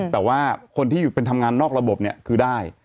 แต่ว่าคนที่เป็นทำงานนอกระบบเนี่ยคือได้